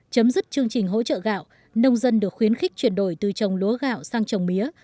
chấm dứt chương trình hỗ trợ gạo nông dân được khuyến khích chuyển đổi từ trồng lúa gạo sang trồng mía